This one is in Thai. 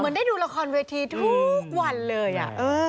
ได้ดูละครเวทีทุกวันเลยอ่ะ